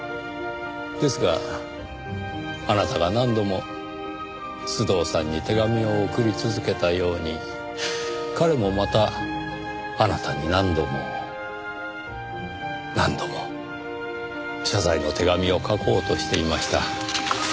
ですがあなたが何度も須藤さんに手紙を送り続けたように彼もまたあなたに何度も何度も謝罪の手紙を書こうとしていました。